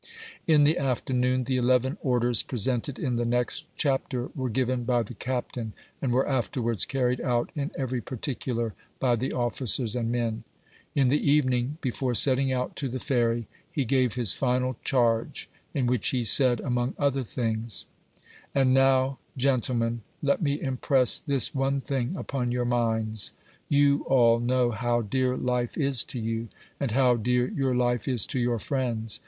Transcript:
In the afternoon, the eleven orders presented in the next chapter were given by the Captain, and were afterwards carried out in every particular by the officers and men. In the evening, before setting out to the Ferry, he gave his final charge, in which he said, among other things :— "And THE ORDERS OP CAPT. BROWN. 29 noio, gentlemen, let me impress thus one thing upon your minds. You all know how dear life is to you, and how dear your life is to your friends.